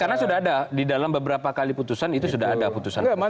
karena sudah ada di dalam beberapa kali putusan itu sudah ada putusan provisi